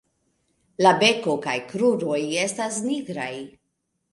La beko kaj kruroj estas nigraj.